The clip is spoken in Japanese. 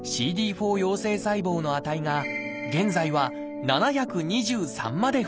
４陽性細胞の値が現在は７２３まで増えました。